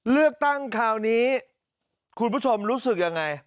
เลือกตั้งคราวนี้คุณผู้ชมรู้สึกยังไง